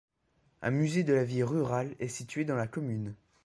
Un musée de la vie rurale est situé dans la commune.